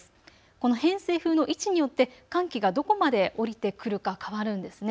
この偏西風の位置によって寒気がどこまでおりてくるか変わるんですね。